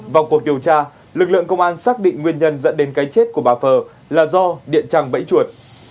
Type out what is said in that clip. vào cuộc điều tra lực lượng công an xác định nguyên nhân dẫn đến cái chết của bà phờ là do điện trăng bẫy chuột